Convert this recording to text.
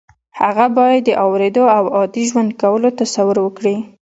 هغه باید د اورېدو او عادي ژوند کولو تصور وکړي